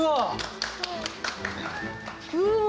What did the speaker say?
うわ！